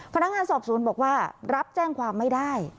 พนักงานสอบสวนบอกว่ารับแจ้งความไม่ได้